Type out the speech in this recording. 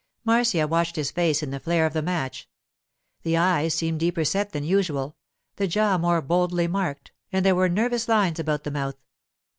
Marcia watched his face in the flare of the match. The eyes seemed deeper set than usual, the jaw more boldly marked, and there were nervous lines about the mouth.